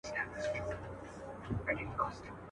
له اسمان مي ګيله ده.